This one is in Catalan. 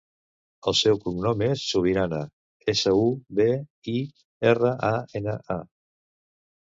El seu cognom és Subirana: essa, u, be, i, erra, a, ena, a.